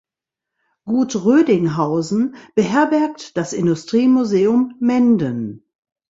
Gut Rödinghausen beherbergt das Industriemuseum Menden.